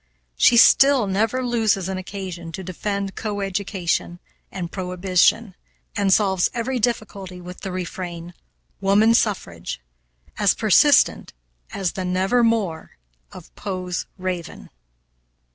She still never loses an occasion to defend co education and prohibition, and solves every difficulty with the refrain, "woman suffrage," as persistent as the "never more" of Poe's raven.